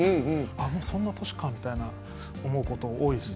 もうそんな年かみたいに思うことが多いです。